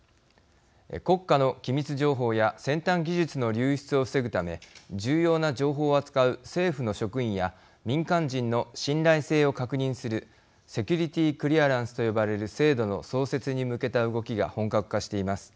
国家の機密情報や先端技術の流出を防ぐため重要な情報を扱う政府の職員や民間人の信頼性を確認するセキュリティークリアランスと呼ばれる制度の創設に向けた動きが本格化しています。